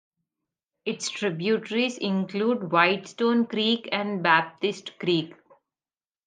Its tributaries include White Stone Creek and Baptist Creek.